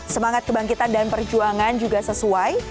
semangat kebangkitan dan perjuangan juga sesuai